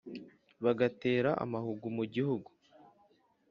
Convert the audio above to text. bagatera amahugu mu gihugu